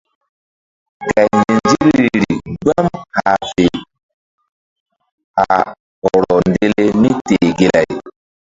Gay nzinzikri gbam hah fe hah hɔrɔ ndele míteh gelay.